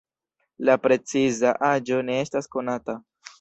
La preciza aĝo ne estas konata.